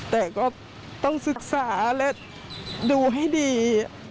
แต่ก็ต้องศึกษาและดูให้ดี